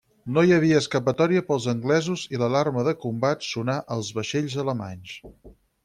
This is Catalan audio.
No hi havia escapatòria pels anglesos i l'alarma de combat sonà als vaixells alemanys.